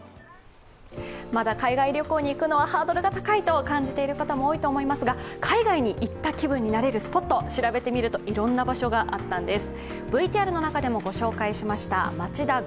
まだ海外旅行に行くのはハードルが高いと感じている方も多いと思いますが海外に行った気分になれるスポットを調べてみると、いろんな場所があったんです。